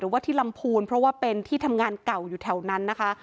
ว่าที่ลำพูนเพราะว่าเป็นที่ทำงานเก่าอยู่แถวนั้นนะคะ